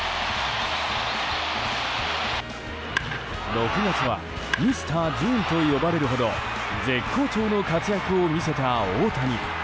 ６月はミスター・ジューンと呼ばれるほど絶好調の活躍を見せた大谷。